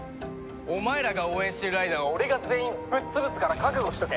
お前らが応援してるライダーは俺が全員ぶっ潰すから覚悟しとけ！